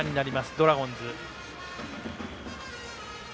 ドラゴンズ。